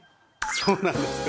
そうなんですか？